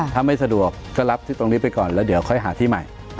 ถ้าไม่สะดวกก็รับที่ตรงนี้ไปก่อนแล้วเดี๋ยวค่อยหาที่ใหม่